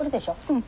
うん。